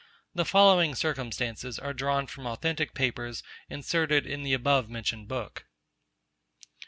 The following circumstances are drawn from authentic papers, inserted in the above mentioned book.